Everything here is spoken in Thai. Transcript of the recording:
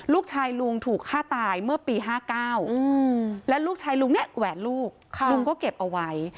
ลูกชายลุงถูกฆ่าตายเมื่อปี๕๙และลูกชายลุงเนี่ยแหวนลูกลุงก็เก็บเอาไว้